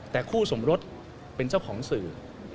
แต่คู่สมรสเป็นเจ้าของสื่อ